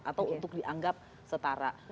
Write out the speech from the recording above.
atau untuk dianggap setara